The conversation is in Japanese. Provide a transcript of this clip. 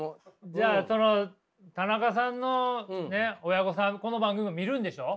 じゃあ田中さんのね親御さんこの番組見るんでしょ？